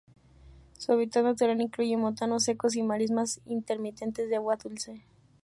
Su hábitat natural incluye montanos secos y marismas intermitentes de agua dulce.